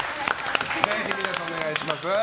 ぜひ皆さん、お願いします。